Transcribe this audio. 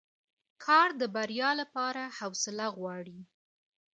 کار د بریا لپاره حوصله غواړي